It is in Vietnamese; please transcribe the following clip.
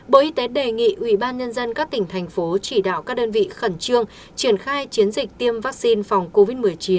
bộ y tế đề nghị ủy ban nhân dân các tỉnh thành phố chỉ đạo các đơn vị khẩn trương triển khai chiến dịch tiêm vaccine phòng covid một mươi chín